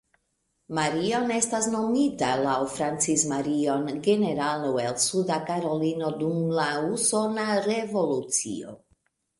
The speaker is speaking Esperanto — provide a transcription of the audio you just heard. Marion estas nomita laŭ Francis Marion, generalo el Suda Karolino dum la Usona Revolucio.